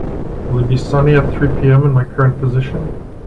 Will it be sunny at three pm in my current position